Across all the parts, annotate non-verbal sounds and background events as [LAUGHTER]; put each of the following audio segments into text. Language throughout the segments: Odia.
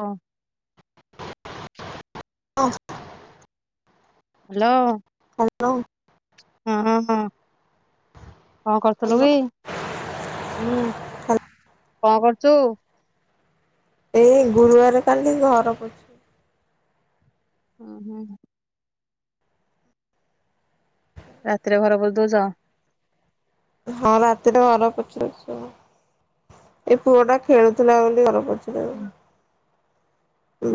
ହଁ। ଅଫ୍ ହାଲୋ। ହାଲୋ ହଁ ହଁ କଣ କରୁଥିଲୁ ହ୍ୟାଲୋ କି? ହୁଁ କଣ କରୁଚୁ? ଏଇ ଗୁରୁବାର କାଲି ଘର ପୁଛୁଚି। ଉଁ ହୁଁ ହୁଁ। ରାତିରେ ଘର ପୋଛି ଦେଉଚ। ହଁ ରାତିରେ ଘର ପୋଛି ଦେଉଚୁ ଆଉ। ଏଇ ପୁଅ ଟା ଖେଳୁଥିଲା ବୋଲି ଘର ପୋଛି ଦେଲି। ହୁଁ।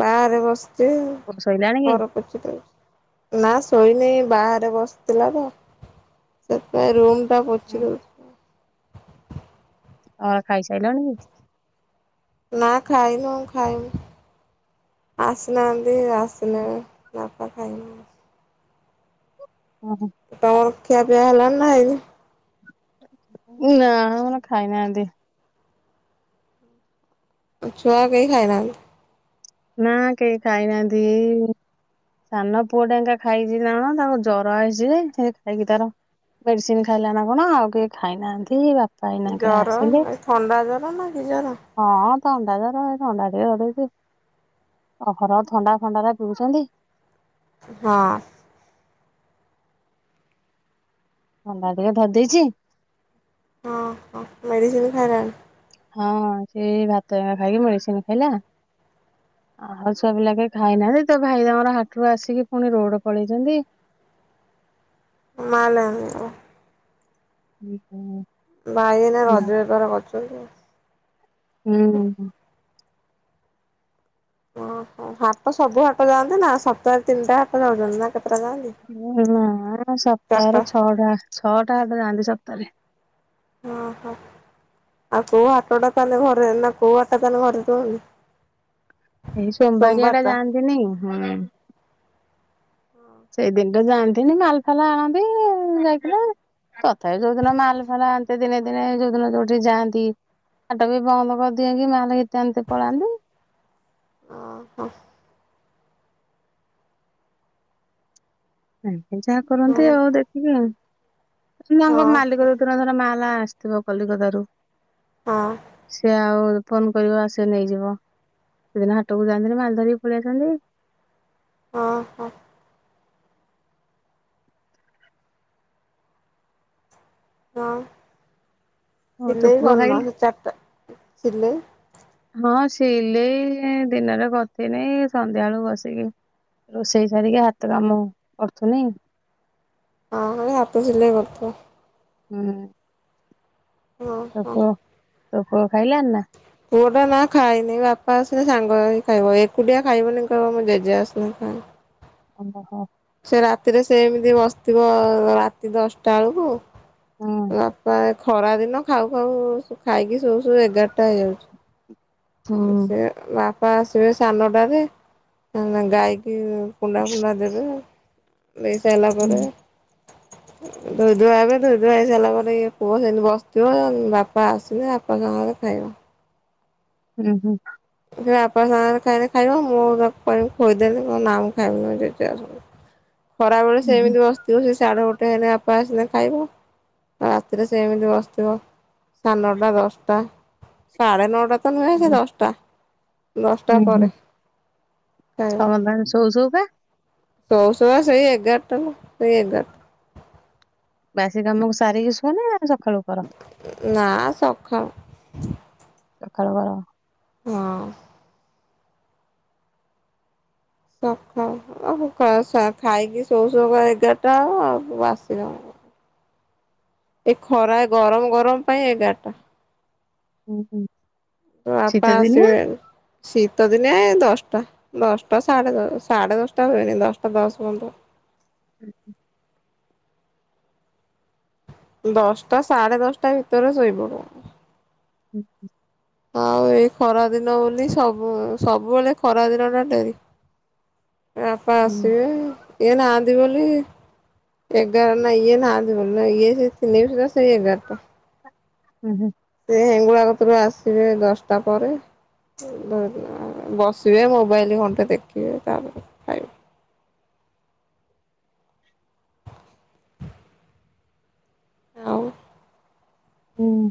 ବାହାରେ ବସିଚି ପୁଅ ଶୋଇଲାଣି କି? ଘର ପୋଛି ହୋଉଛି ନା ଶୋଇନି ବାହାରେ ବସିଥିଲା ତ ସେଥିପାଇଁ ରୁମଟା ପୋଛି ଦେଉଚି। ତମର ଖାଇ ସାରିଲାଣି? ନା ଖାଇ ନୁ ଖାଇମୁ ଆସନାହାନ୍ତି ଆସିନେ ନା ଭାତ ଖାଇଲୁ। ଉଁ ହୁଁ। ତମର ଖିଆ ପିଆ ହେଲାଣି ନା ହେଇନି? ନାଁ ଆମର ଖାଇନାହାନ୍ତି। ଛୁଆ କେହି ଖାଇନାହାନ୍ତି। ନାଁ କେହି ଖାଇନାହାନ୍ତି? ସାନ ପୁଅ ଟା ଏଙ୍କା ଖାଇଚି ନା କଣ ନା ତାକୁ ଜର ଆଇଚି ଯେ ସେ ଖାଇକି ତାର ମେଡିସିନ ଖାଇଲା ନା କଣ ଆଉ କିଏ ଖାଇନାହାନ୍ତି ବା ଜର ଏ ଥଣ୍ଡା ଜର ନା କି ଜର? ହଁ ଥଣ୍ଡା ଜର। ଥଣ୍ଡା ଟିକେ ଧରିଦେଇଚି। ଅହରହ ଥଣ୍ଡା ଫଣ୍ଡା ରା ପିଉଛନ୍ତି। ହଁ। ଥଣ୍ଡା ଟିକେ ଧରି ଦେଇଚି। ହଁ ହଁ। ମେଡ଼ିସିନ୍ ଖାଇଲାଣି? ହଁ ସିଏ ଏ ଇ ଭାତା ଏଇନା ଖାଇକି ମେଡିସିନ ଖାଇଲା। ଆ ଛୁଆ ପିଲା କେହି ଖାଇନାହାନ୍ତି ତୋ ଭାଇ ତାଙ୍କର ହାଟରୁ ଆସିକି ପୁଣି ରୋଡ୍ ପଳେଇଛନ୍ତି। ମାଲ୍ ଆଣିବାକୁ। ହ ହୁ [UNINTELLIGIBLE] ଭାଇ ଏଇନା ରଜ ବେପାର କରୁଚନ୍ତି ଆଉ। ହୁଁ ହୁଁ। ଓହୋ ହାଟ ସବୁ ହାଟ ଯାଆନ୍ତି ନା ସପ୍ତାହରେ ତିନିଟା ହାଟ ଯାଉଛନ୍ତି ଆଉ କେତେଟା ଯାଆନ୍ତେ? ନା [UNINTELLIGIBLE] ସପ୍ତାହରେ ଛଅଟା ଛଅଟା ହାଟ ଯାଆନ୍ତି ସପ୍ତାହରେ? ଅ ହୋ। ଆଉ କୋଉ ହାଟ ଟା ତାହେଲେ ଘରେ ନା କୋଉ ହାଟ ଟା ତାହେଲେ ଘରେ ରୁହନ୍ତି? ଏଇ ସୋମବାରିଆ ଟା ଯାଆନ୍ତିନି। ହୁଁ। ସେଇଦିନ ଟା ଯାଆନ୍ତିନି ମାଲ୍ ଫାଲ୍ ଆଣନ୍ତି ଯାଇଥିଲେ। ତଥାପି ଯୋଉଦିନ ମାଲ୍ ଫାଲ୍ ଆଣିତେ ଦିନେ ଦିନେ ଯୋଉ ଦିନ ଯୋଉଠି ଯାଆନ୍ତି। ହାଟ ବି ବନ୍ଦ କରିଦିଅନ୍ତି ନହଲେ କେତେ ଏମିତି ପଳାନ୍ତି। ଅହ। ଏମିତି ଯାହା ହଁ କରନ୍ତି ଆଉ ଦେଖିକି ଆଉ କିନ୍ତୁ ତାଙ୍କ ମାଲିକ ଟୋଟା ଧର ମାଲ୍ ଆସିଥିବ କଲିକତା ରୁ ହଁ ସେ ଆଉ ଫୋନ କରିବ ଆସିକି ନେଇଯିବ ସେଦିନ ହାଟକୁ ଯାଆନ୍ତିନି ମାଲ ଧରିକି ପଳେଇ ଆସନ୍ତି। ଅହ। ହଁ। ଆଉ ତୋ ସିଲେଇ ପୁଅ କରୁନ ଖାଇଲି ସେ ଚାରିଟା ସିଲେଇ ହଁ ସିଲେଇ ଦିନରେ କରୀଥିନି ସନ୍ଧ୍ୟା ବେଳୁ ବସିକି ରୋଷେଇ ସାରିକି ହାତ କାମ କରୁଥିନି। ହଁ ହଁ ହାତ ସିଲେଇ କରୁଥିବ। ହୁଁ। ତୋ ଓହୋ। ପୁଅ ତୋ ପୁଅ ଖାଇଲାଣି ନାଁ? ପୁଅଟା ନାଁ ଖାଇନି ବାପା ଆସିନେ ସାଙ୍ଗ ହେଇକି ଖାଇବ ଏକୁଟିଆ ଖାଇବନି କହିବ ମୁଁ ଜେଜେ ଆସିନେ ଖାଇବି। ଅହୋ [UNINTELLIGIBLE] ସେ ରାତିରେ ସେମିତି ବସିଥିବ ରାତି ଦଶଟା ଓଳକୁ। ବାପା ଖରା ଦିନ ଖାଉ ଖାଉ ଖାଇକି ଶୋଉ ଶୋଉ ଏଗାରଟା ହେଇଯାଉଚି। ହୁଁ। ସେ ବାପା ଆସିବେ ସାନଟାରେ ଗାଈକି କୁଣ୍ଡା ଫୁଣ୍ଡା ଦେବେ ଦେଇ ସାରିଲା ପରେ [UNINTELLIGIBLE] ଧୋଇଦୁଆ ହେବେ ଧୋଇଦୁଆ ହେଇସାରିଲା ପରେ ଇଏ ପୁହଅ ସେମିତି ବସିଥିବ ବାପା ଆସିନେ ବାପା ସାଙ୍ଗରେ ଖାଇମୁ। ଉଁ ହୁଁ। [INAUDIBLE] [UNINTELLIGIBLE] ଖରା ବେଳେ ହୁଁ ହୁଁ ସେମିତି ବସିଥିବ ସେ ସାଡେ ଗୋଟେ ହେଲେ ବାପା ଆସିଲେ ଖାଇବ। ରାତିରେ ସେମିତି ବସିଥିବ ସାଡନଟା, ଦଶଟା ସାଢେ ନଅଟା ତ ନୁହେଁ ସେ ଦଶଟା ଦଶଟା ପରେ। ସମଦାଣି ସୋଉ ସୋଉ କା ଯୋଉ ଯୋଉ କା ସେଇ ଏଗାରଟାଲୋ ସେଇ ଏଗାର ବାସି କାମକୁ ସାରିକି ଶୁଅନା ସକାଳୁ କର? ନା ସଖାଳ ସଖାଳୁ କର ହଁ। [UNINTELLIGIBLE] ଏ ଖରା ଗରମ ଗରମ ପାଇଁ ଏଗାରଟା। ହୁଁ ହୁଁ। ତ ଶୀତ ବାପା ଦିନିଆ? ଆସିବେ ଆଉ। ଶୀତ ଦିନିଆ ଏ ଦଶଟା ଦଶଟା ସାଢ଼େ, ଦଶ ସାଢ଼େ, ଦଶଟା ହୁଏନି ଦଶଟା ଦଶ ପନ୍ଦର। ହୁଁ ହୁଁ। ଦଶଟା ସାଢ଼େ ଦଶଟା ଭିତରେ ଶୋଇ ପଡ଼ୁ। ହୁଁ ହୁଁ। ଆଉ ଏଇ ଖରା ଦିନ ବୋଲି ସବୁ ସବୁବେଳେ ଖରା ଦିନ ଟା ଡେରି। ବାପା ହୁଁ ଆସିବେ ଇଏ ନାହାନ୍ତି ବୋଲି ଏଗାର ଇଏ ନାହାନ୍ତି ବୋଲି ଇଏ ଥିଲେ ବି ସେଇ ଏଗାରଟା। ଓହୋ ସେ ହେଙ୍ଗୁଳା କତରୁ ଆସିବେ ଦଶଟା ପରେ। ଡରୁନି ବସିବେ ମୋବାଇଲ ଘଣ୍ଟେ ଦେଖିବେ ତାପରେ ଖାଇବେ ଆଉ ହୁଁ।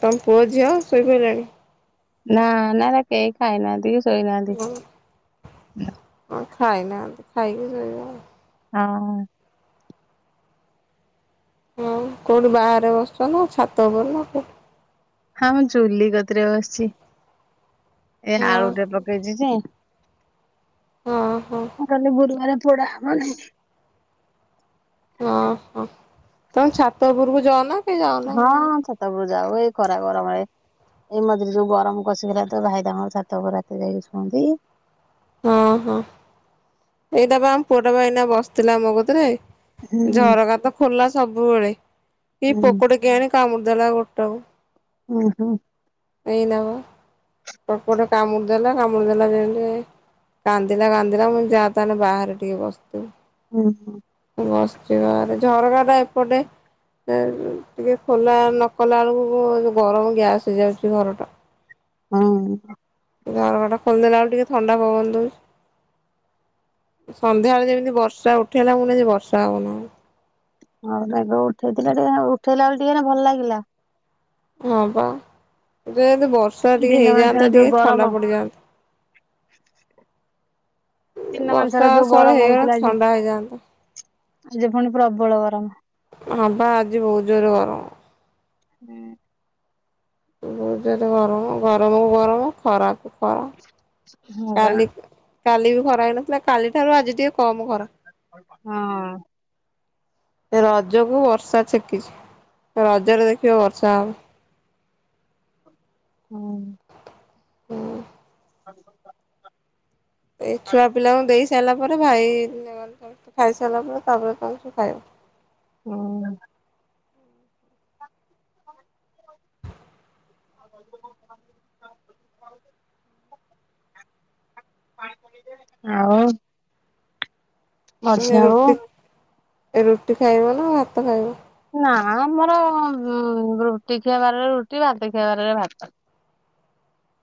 ତମ ପୁଅ ଝିଅ ଶୋଇପଇଲେଣି? ନାଁ ନାଁ ଏରା କେହି ଖାଇନାହାନ୍ତି କି ଶୋଇନାହାନ୍ତି। ଆ ଖାଇନାହାନ୍ତି ଖାଇକି ଶୋଇବେ ଆଉ। ହଁ। ଆଉ କୋଉଠି ବାହାରେ ବସଚ ନାଁ ଛାତ ଉପରେ ନାଁ କଉ ହଁ ମୁଁ ଚୁଲି କତିରେ ବସଚି। ଏ ହଁ ଆଳୁଟେ ପକେଇଚି ଯେ ହଁ ହଁ। କଲି ଗୁରୁବାରେ ପୋଡା ହବ ନେହିଁ। ଅ ହଁ ତମେ ଛାତ ଉପୁରକୁ ଯଅନା? ହଁ ଛାତ ଉପରୁ ଯାଉ ଏଇ ଖରା ଗରମ ଏ ଏଇ ମଝିରେ ଯୋଉ ଗରମ କଷିକି ହେଲା ତ ଭାଇ ତାଙ୍କର ଛାତ ଉପରେ ରାତି ଯାଇକି ଶୁଅନ୍ତି। ହଁ ହଁ ଏଇଟା ବା ଆମ ପୁଅଟା ବା ଏଇନା ବସିଥିଲା ମୋ କତିରେ ହୁଁ। ଝରକା ତ ଖୋଲା ସବୁବେଳେ କି ହୁଁ ପୋକୋଟେ କିଆଣି କାମୁଡିଦେଲା ଗୋଟା କୁ। ଉଁ ହୁଁ। ଏଇନା ବା। ପୋକଟେ କାମୁଡି ଦେଲା କାମୁଡି ଦେଲା ଯେମିତି କାନ୍ଦିଲା କାନ୍ଦିଲା ମୁଁ ଯା ତାହେଲେ ବାହାରେ ଟିକେ ବସିଥିବୁ। ହୁଁ, ହୁଁ। ବସିଛି ବାହାରେ ଝରକା ଟା ଏପଟେ ସେ ଉଁ, ଟିକେ ଖୋଲା ନ କଲାବେେଳକୁ ଯୋ ଗରମ ଗ୍ୟାସ୍ ହେଇଯାଉଛି ଘରଟା। ହଁ। ଝରକା ଟା ଖୋଲିଦେଲା ଆଳକୁ ଟିକେ ଥଣ୍ଡା ପବନ ଦଉଛୁ। ସନ୍ଧ୍ୟାବେଳେ ଯେମିତି ବର୍ଷା ଉଠେଇଲା ମୁଁ କହିନି ଆଜି ବର୍ଷା ହବ ନା କଣ। ହଁ ମେଘ ଉଠେଇଥିଲା ଟିକେ ନାକୁ ଉଠେଇଲା ବେଳେ ଟିକେ ନା ଭଲ ଲାଗିଲା। ହଁ ପା ଯେହେତୁ ବର୍ଷା ଟିକେ ଦିନ ମାନ ସାରା ହେଇଯାଆନ୍ତା ଯୋଉ ଟିକେ ଥଣ୍ଡା ଗରମ ପଡିଯାନ୍ତା। ଯେ ଦିନ ମାନ ସାରା ବର୍ଷା ଯୋଉ ଅସୁଳେ ଗରମ ହେଇଗଲେ ହଉଥିଲା ଆଜି ଥଣ୍ଡା ହେଇଯାଆନ୍ତା। ଆଜି ପୁଣି ପ୍ରବଳ ଗରମ। ହଁ ପା ଆଜି ବହୁତ ଜୋରେ ଗରମ। ହୁଁ। ବହୁ ଜୋରେ ଗରମ ଗରମକୁ ଗରମ ଖରା କୁ ଖରା ହଁ ବା କାଲି କାଲି ବି ଖରା ହେଇନଥିଲା କାଲି ଠାରୁ ଆଜି ଟିକେ କମ୍ ଖରା। ହଁ। ଏ ରଜକୁ ବର୍ଷା ଛେକିଛି ରଜରେ ଦେଖିବ ବର୍ଷା ହବ। ହଁ। ଅଁ, [UNINTELLIGIBLE] ଏ ଛୁଆ ପିଲାଙ୍କୁ ଦେଇ ସାରିଲା ପରେ ଭାଇ [INAUDIBLE] ସମସ୍ତେ ଖାଇସାରିଲା ପରେ ତାପରେ ଖାଉଛୁ ଖାଇବୁ। ଅ, [INAUDIBLE] ଆଉ ମାନେ ମଝିଆ ବୋଉ ରୁଟି ରୁଟି ଖାଇବ ନା ଭାତ ଖାଇବ? ନା ଆମର ଅଁ, ରୁଟି ଖିଆ ବାରରେ ରୁଟି ଭାତ ଖିଆ ବାରରେ ଭାତ।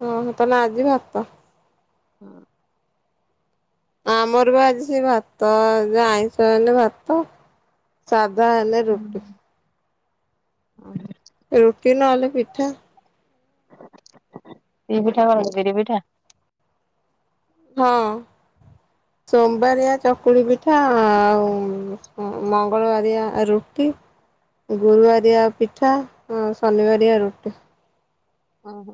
ଓ ହୋ ତାହେଲେ ଆଜି ଭାତ? ହଁ। ଆମର ବି ଆଜି ସେ ଭାତ ଯେ ଆଇଁଷ ହେନେ ଭାତ। ସାଧା ହେଲେ ରୁଟି। ଓ ହୋ। ରୁଟି ନ ହେଲେ ପିଠା। କି ପିଠା କରନ୍ତି ବିରି ପିଠା? ହଁ। ସୋମ୍ ବାରିଆ ଚକୁଳି ପିଠା ଆଉ ଅ, ମଙ୍ଗଳବାରିଆ ରୁଟି। ଗୁରୁବାରିଆ ପିଠା ଆଉ ଶନିବାରିଆ ରୁଟି। ଓ ହଁ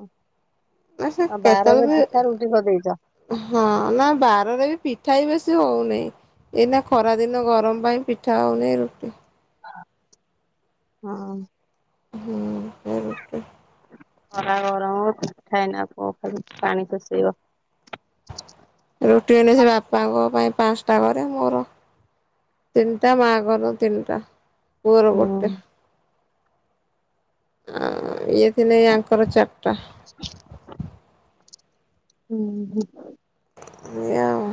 ନା ସେ ଆଉ ବାରରେ କେତେବେଳେ ପିଠା ବି ରୁଟି କରିଦେଇଚ? ହଁ ନା ବାରରେ ବି ପିଠା ବି ବେଶୀ ହଉନେଇଁ। ଏଇନା ଖରା ଦିନ ଗରମ ପାଇଁ ପିଠା ହଉନି ରୁଟି। ହଁ। ହୁଁ, ଖାଲି ରୁଟି। ଖରା ଗରମ କୁ ପିଠା ଏଇନା ଆଉ କ- ଖାଲି ପାଣି ପୋଷେଇବ। ରୁଟି ହେନେ ସେ ବାପାଙ୍କ ପାଇଁ ପାଁଷ୍ଟା ଟା କରେ ମୋର ତିନଟା ମା ଙ୍କର ତିନଟା। ପୁଅ ର ହୁଁ। ଗୋଟେ ଆଁ ଇଏ। ଥିଲେ ୟାଙ୍କର ଚାର୍ ଟା। [UNINTELLIGIBLE] ଉଁ ହୁଁ। ସେୟା ଆଉ।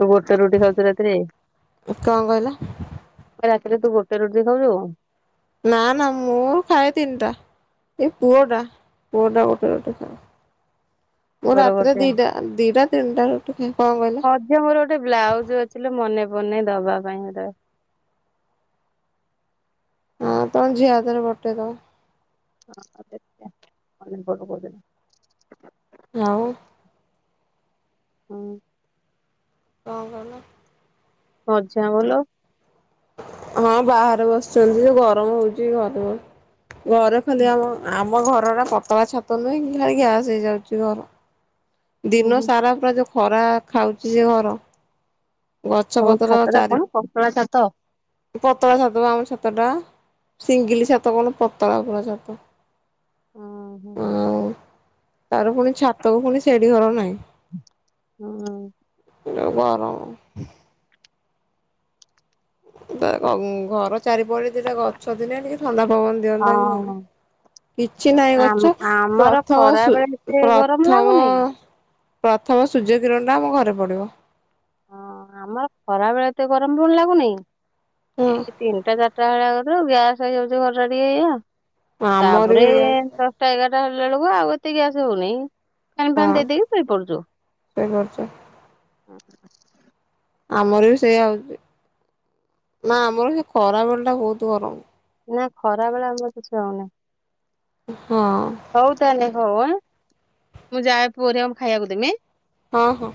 ତୁ ଗୋଟେ ରୁଟି ଖାଉଛୁ ରାତିରେ? କଣ କହିଲ ରାତିରେ ତୁ ଗୋଟେ ରୁଟି ଖାଉଛୁ? ନା ନା ମୁଁ ଖାଏ ତିନିଟା। ଏ ପୁଅଟା, ପୁଅଟା ଗୋଟେ ରୁଟି ଖାଏ। [INAUDIBLE] ମୁଁ ରାତିରେ ଗୋଟେ ଦିଟା ଦିଟା ତିନିଟା ରୁଚି ଖାଏ। କଣ କହିଲ? ହଁ ଝିଅ ମୋର ଗୋଟେ ବ୍ଲାଉଜ ଅଛି ମନେ ପଡୁନାଇ ଦବା ପାଇଁ ହେଟା। ହଁ ତମ ଝିଅ ହାତରେ ପଟେଇ ଦବ। [UNINTELLIGIBLE] ଆଉ ହୁଁ। କଣ କହିଲ? ମଝିଆ ଭଲ। ହଁ ବାହାରେ ବସଛନ୍ତି ଯେ ଗରମ ହଉଛି। ଘରେ ବ ଘରେ ଖାଲି ଆମ। ଆମ ଘରଟା ପତଳା ଛାତ ନୁହେଁ କି ଖାଲି ଗ୍ୟାସ ହେଇଯାଉଛି ଘର। ହୁଁ ହୁଁ ଦିନସାରା ପୁରା ଯୋଉ ଖରା ଖାଉଛି ଯେ ଘର। ଗଛ ତମ ପତ୍ର ଛାତ ଟା ଚାରି କଣ ପତଳା ଛାତ? ପତଳା ଛାତ ବା ଆମ ଛାତଟା। ସିଙ୍ଗିଲି ଛାତ କଣ ପତଳା ପୁରା ଛାତ। ହଁ ହୋ। ଆଉ ତାର ପୁଣି ଛାତକୁ ପୁଣି ସେଡି଼ଘର ନାହିଁ। ହୁଁ। ଯୋଉ ଗରମ। ତା କ ଘର ଚାରିପଟେ ଦିଟା ଗଛ ଥିଲେ ଟିକେ ଥଣ୍ଡା ପବନ ଦିଅନ୍ତା କି କଣ। ହଁ କିଛି ନାହିଁ ଆମ ଗଛ। ଆମର ପ୍ରଥମ ଖରା ସୁ ବେଳେ ଏତେ ଗରମ ପ୍ରଥମ ଲାଗୁନି ପ୍ରଥମେ ସୂର୍ଯ୍ୟ କିରଣଟା ଆମ ଘରେ ପଡି଼ବ। ହଁ ଆମର ଖରା ବେଳେ ଏତେ ଗରମ ପୁଣି ଲାଗୁନାଇ। ହୁଁ ଏଇ ତିନିଟା ଚାରିଟା ବେଳା କତିରୁ ଗ୍ୟାସ ହେଇଯାଉଛି ଘର ଟିକେ ଏଇଆ। ଆମର ବି ତାପରେ ହେଇଯାଉଛି ଏଁ ତ। ଟା ଏଗାରଟା ବାଜିଲା ବେଳକୁ ଆଉ ଏତେ ଗ୍ୟାସ ହଉନି। ଫ୍ୟାନ ଫ୍ୟାନ ଦେଇ ଦେଇକି ଶୋଇ ପଡୁ଼ଛୁ। ଶୋଇ ପଡୁ଼ଚୁ। ହଁ ହଁ। ଆମର ବି ସେଇଆ ହଉଛି। ନା ଆମର ସେ ଖରାବେଳଟା ବହୁତ ଗରମ। ନା ଖରାବେଳେ ଆମର କିଛି ହଉନେଇ। ହଁ। ହଉ ତାହେଲେ ହଉ ଆଁ। ମୁଁ ଯାଏ ପୁଅ ଆରିକାକୁ ଖାଇବାକୁ ଦେମି। ହଁ ହଁ।